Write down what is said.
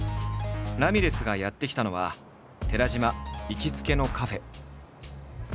ラミレスがやって来たのは寺島行きつけのカフェ。